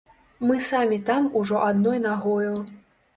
Мы самі там ужо адной нагою.